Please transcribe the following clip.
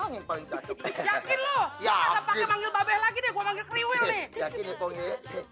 yakin ya kong ye